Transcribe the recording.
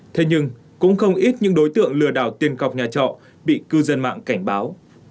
thế nhưng cũng không ít những đối tượng lừa đảo tiền cọc nhà trọ bị cư dân mạng cảnh báo